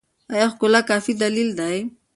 ایا ښکلا کافي دلیل دی؟